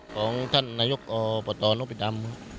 ของท่านนายกประตอนอพิธรรม